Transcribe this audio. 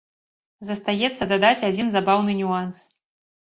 Застаецца дадаць адзін забаўны нюанс.